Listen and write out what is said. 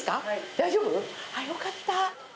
大丈夫？よかった。